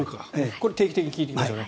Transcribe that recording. これ、定期的に聞いていきましょうね。